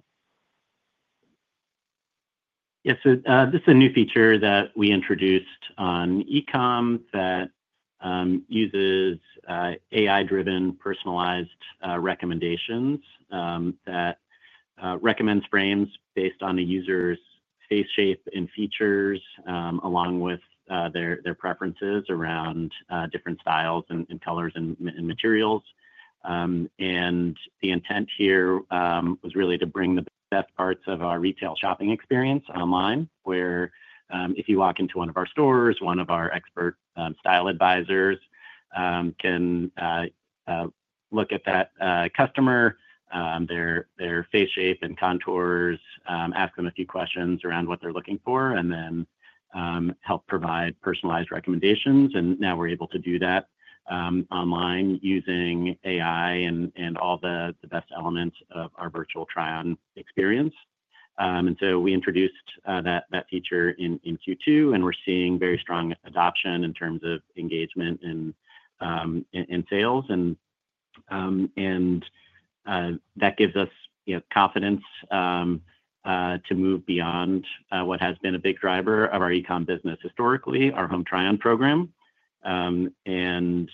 Yeah. This is a new feature that we introduced on e-comm that uses AI-driven personalized recommendations that recommends frames based on a user's face shape and features along with their preferences around different styles, colors, and materials. The intent here was really to bring the best parts of our retail shopping experience online. If you walk into one of our stores, one of our expert style advisors can look at that customer, their face shape and contours, ask them a few questions around what they're looking for, and then help provide personalized recommendations. Now we're able to do that online using AI and all the best elements of our virtual Try-On experience. We introduced that feature in Q2 and we're seeing very strong adoption in terms of engagement and sales. And that gives us confidence to move beyond what has been a big driver of our e-comm business historically. Our Home Try-On program and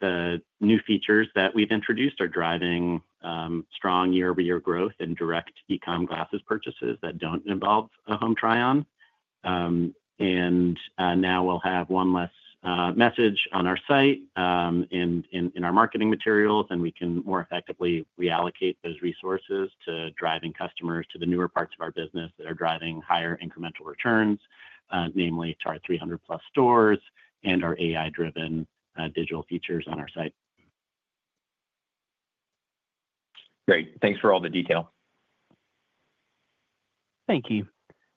the new features that we've introduced are driving strong year-over-year growth and direct e-comm glasses purchases that don't involve a Home Try-On. We will have one less message on our site and in our marketing materials, and we can more effectively reallocate those resources to driving customers to the newer parts of our business that are driving higher incremental returns, namely to our 300 plus stores and our AI-driven digital features on our site. Great. Thanks for all the details. Thank you.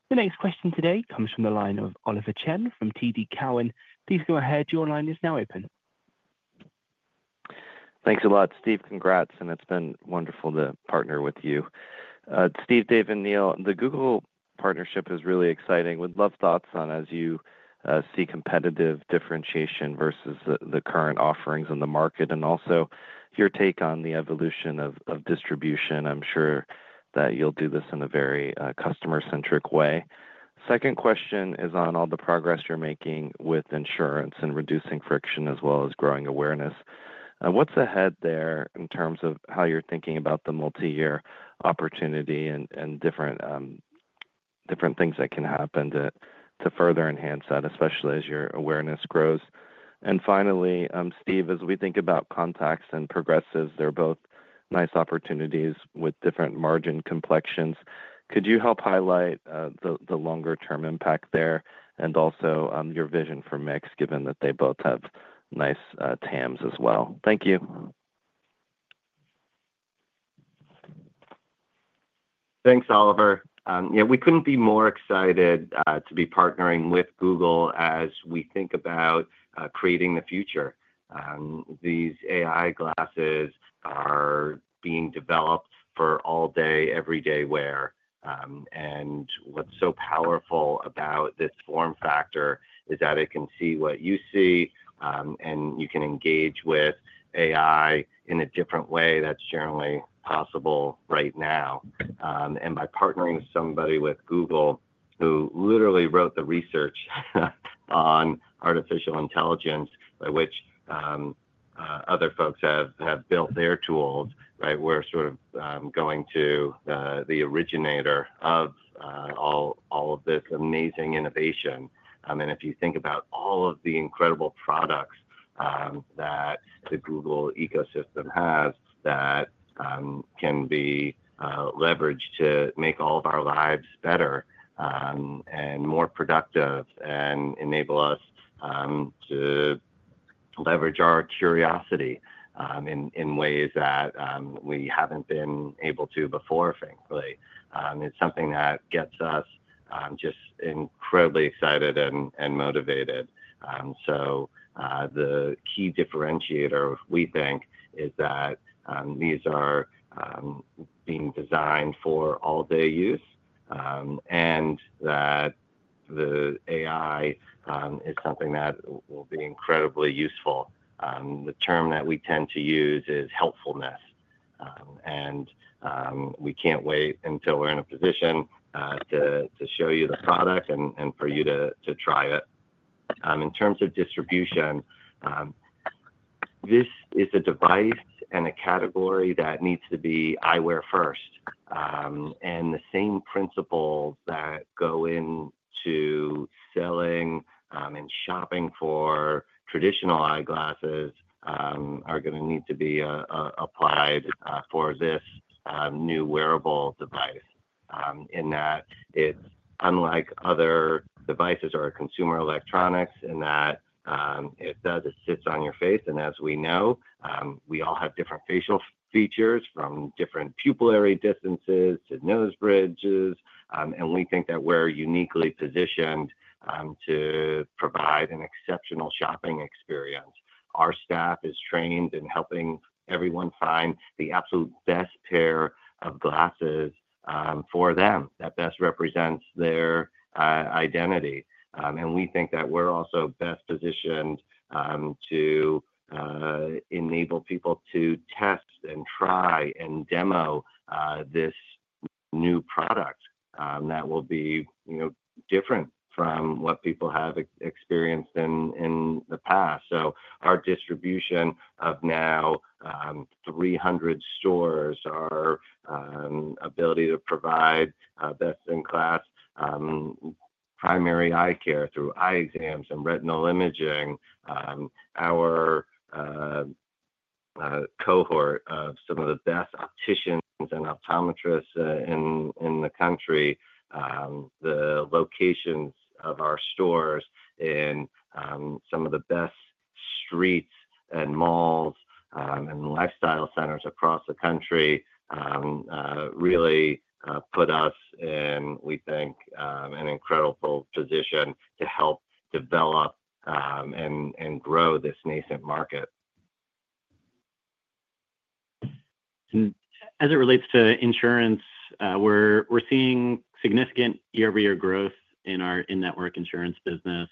The next question today comes from the line of Oliver Chen from TD Cowen. Please go ahead. Your line is now open. Thanks a lot, Steve. Congrats and it's been wonderful to partner with you, Steve, Dave, and Neil. The Google partnership is really exciting. Would love thoughts on as you see competitive differentiation versus the current offerings in the market, and also your take on the evolution of distribution. I'm sure that you'll do this in a very customer-centric way. Second question is on all the progress you're making with insurance and reducing friction as well as growing awareness. What's ahead there in terms of how you're thinking about the multi-year opportunity and different things that can happen to further enhance that, especially as your awareness grows. Finally, Steve, as we think about contact lenses and progressives, they're both nice opportunities with different margin complexions. Could you help highlight the longer-term impact there and also your vision for mix given that they both have nice TAMs as well. Thank you. Thanks Oliver. We couldn't be more excited to be partnering with Google as we think about creating the future. These AI glasses are being developed for all-day, everyday wear. What's so powerful about this form factor is that it can see what you see, and you can engage with AI in a different way that's generally possible right now. By partnering with Google, who literally wrote the research on artificial intelligence by which other folks have built their tools, we're sort of going to the originator of all of this amazing innovation. If you think about all of the incredible products that the Google ecosystem has that can be leveraged to make all of our lives better and more productive and enable us to leverage our curiosity in ways that we haven't been able to before, frankly, it's something that gets us just incredibly excited and motivated. The key differentiator we think is that these are being designed for all-day use and that the AI is something that will be incredibly useful. The term that we tend to use is helpfulness, and we can't wait until we're in a position to show you the product and for you to try it. In terms of distribution. This is a device and a category that needs to be eyewear first. The same principles that go into selling and shopping for traditional eyeglasses are going to need to be applied for this new wearable device in that it, unlike other devices or consumer electronics, sits on your face. As we know, we all have different facial features, from different pupillary distances to nose bridges. We think that we're uniquely positioned to provide an exceptional shopping experience. Our staff is trained in helping everyone find the absolute best pair of glasses for them that best represents their identity. We think that we're also best positioned to enable people to test and try and demo this new product that will be different from what people have experienced in the past. Our distribution of now 300 stores, our ability to provide best-in-class primary eye care through eye exams and retinal imaging, our cohort of some of the best opticians and optometrists in the country, the locations of our stores in some of the best streets and malls and lifestyle centers across the country really put us in, we think, an incredible position to help develop and grow this nascent market. As it relates to insurance, we're seeing significant year-over-year growth in our in-network insurance business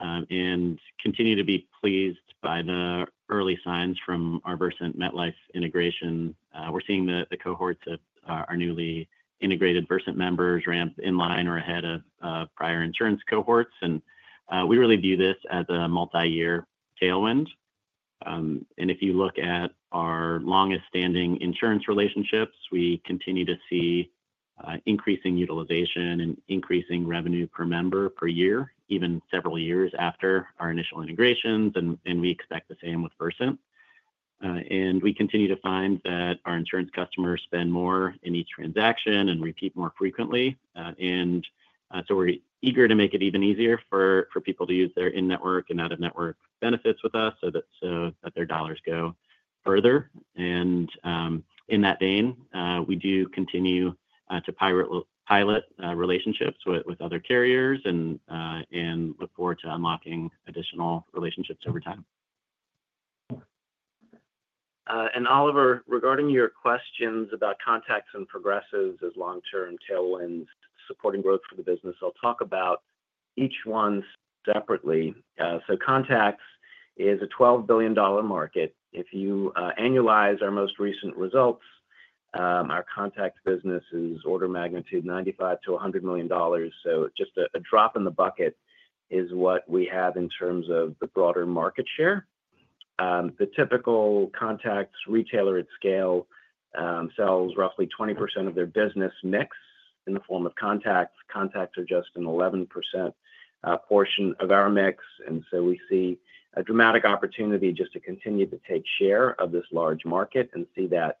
and continue to be pleased by the early signs from our Versant, MetLife integration. We're seeing the cohorts of our newly integrated Versant members ramp in line or ahead of prior insurance cohorts. We really view this as a multi-year tailwind. If you look at our longest standing insurance relationships, we continue to see increasing utilization and increasing revenue per member per year, even several years after our initial integrations. We expect the same with Versant. We continue to find that our insurance customers spend more in each transaction and repeat more frequently. We're eager to make it even easier for people to use their in-network and out-of-network benefits with us so that their dollars go further. In that vein, we do continue to pilot relationships with other carriers and look forward to unlocking additional relationships every time. Oliver, regarding your questions about contacts and progressives as long-term tailwinds supporting growth for the business, I'll talk about each one separately. Contacts is a $12 billion market. If you annualize our most recent results, our contact business is order magnitude $95 to $100 million. Just a drop in the bucket is what we have in terms of the broader market share. The typical contacts retailer at scale sells roughly 20% of their business mix in the form of contacts. Contacts are just an 11% portion of our mix and we see a dramatic opportunity just to continue to take share of this large market and see that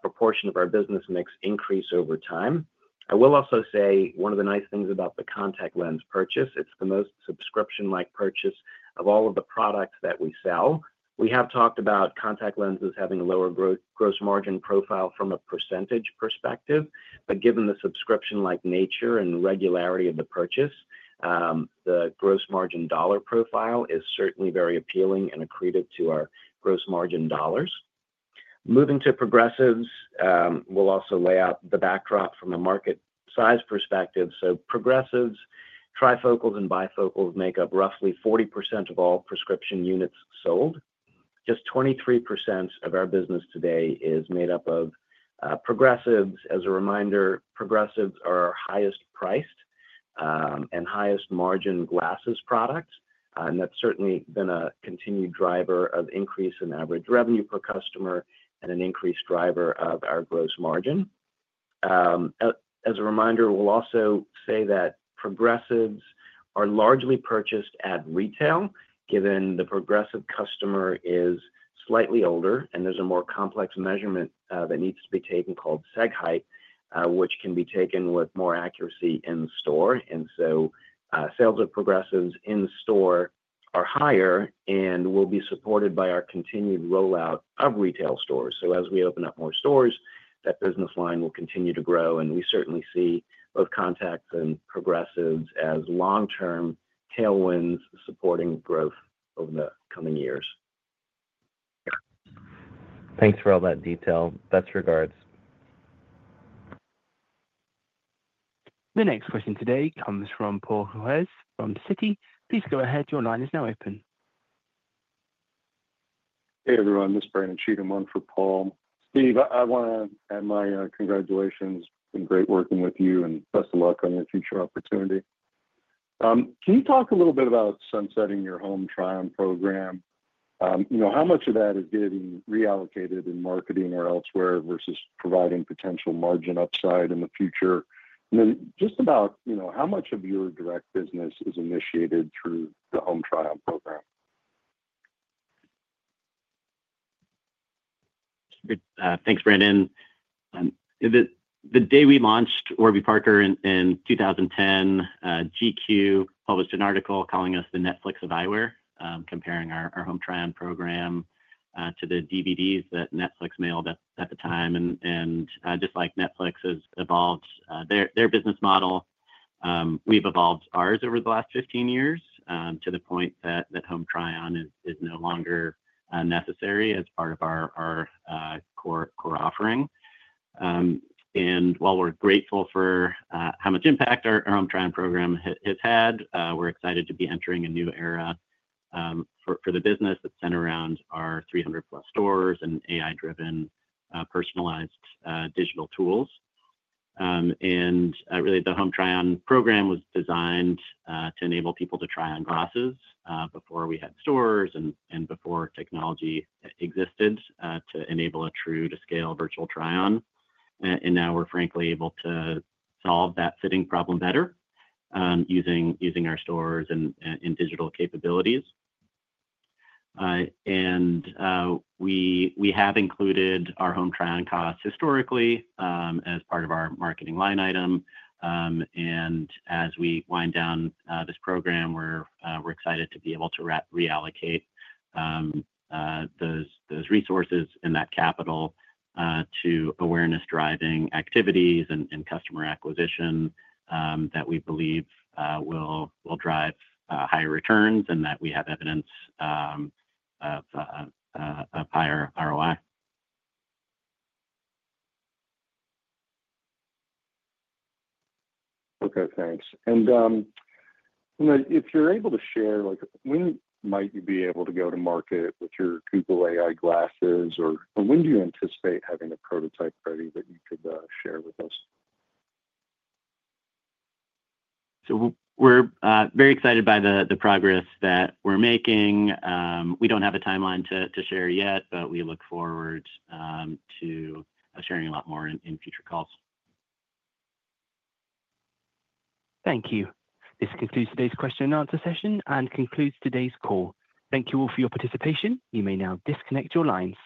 proportion of our business mix increase over time. I will also say one of the nice things about the contact lens purchase, it's the most subscription like purchase of all of the products that we sell. We have talked about contact lenses having a lower gross margin profile from a percentage perspective, but given the subscription like nature and regularity of the purchase, the gross margin dollar profile is certainly very appealing and accretive to our gross margin dollars. Moving to progressives, we'll also lay out the backdrop from a market size perspective. Progressives, trifocals and bifocals make up roughly 40% of all prescription units sold. Just 23% of our business today is made up of progressives. As a reminder, progressives are our highest priced and highest margin glasses products. That's certainly been a continued driver of increase in average revenue per customer and an increased driver of our gross margin. As a reminder, progressives are largely purchased at retail given the progressive customer is slightly older and there's a more complex measurement that needs to be taken called seg height, which can be taken with more accuracy in store. Sales of progressives in store are higher and will be supported by our continued rollout of retail stores. As we open up more stores, that business line will continue to grow and we certainly see both contacts and progressives as long-term tailwinds supporting growth. Over the coming years. Thanks for all that detail. Best regards. The next question today comes from Paul Juarez from Citi. Please go ahead. Your line is now open. Hey everyone, this is Brandon Cheatham on for Paul. On behalf of Steve, I want to add my congratulations and great working with you and best of luck on your future opportunity. Can you talk a little bit about sunsetting your Home Try-On program? How much of that is getting reallocated in marketing or elsewhere versus providing potential margin upside in the future, and then just about how much of your direct business is initiated through the Home Try-On program? Thanks, Brandon. The day we launched Warby Parker in 2010, GQ published an article calling us the Netflix of Eyewear, comparing our Home Try-On program to the DVDs that Netflix mailed at the time. Just like Netflix has evolved their business model, we've evolved ours over the last 15 years to the point that Home Try-On is no longer necessary as part of our core offering. While we're grateful for how much impact our Home Try-On program has had, we're excited to be entering a new era for the business that centers around our 300 plus stores and AI-driven personalized digital tools. The Home Try-On program was designed to enable people to try on glasses before we had stores and before technology existed to enable a true-to-scale virtual Try-On. Now we're frankly able to solve that fitting problem better using our stores and digital capabilities. We have included our Home Try-On costs historically as part of our marketing line item, and as we wind down this program, we're excited to be able to reallocate those resources and that capital to awareness-driving activities and customer acquisition that we believe will drive higher returns and that we have evidence of higher ROI. Okay, thanks. If you're able to share, when? Might you be able to go to market with your Google AI glasses? When do you anticipate having a prototype ready that you could share with us? We are very excited by the progress that we're making. We don't have a timeline to share yet, but we look forward to sharing a lot more in future calls. Thank you. This concludes today's question and answer session and concludes today's call. Thank you all for your participation. You may now disconnect your lines.